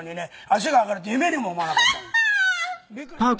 足が上がるって夢にも思わなかったの。